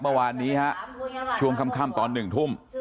เมื่อวานนี้ฮะช่วงค่ำตอน๑ทุ่ม